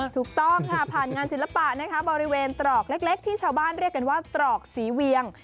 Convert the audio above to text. ถูกต้องค่ะผ่านงานศิลปะนะคะบริเวณตรอกเล็กที่ชาวบ้านเรียกกันว่าตรอกสีเวียง